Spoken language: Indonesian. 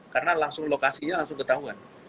karena langsung lokasinya langsung ketahuan